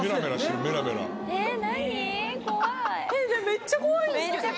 めっちゃ怖いんですけど。